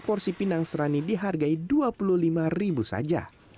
pindang serani dihargai rp dua puluh lima saja